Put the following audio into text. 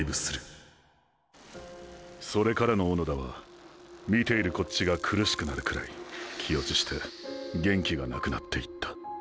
それからの小野田は見ているこっちが苦しくなるくらい気落ちして元気がなくなっていった。